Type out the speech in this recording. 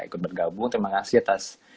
ikut bergabung terima kasih atas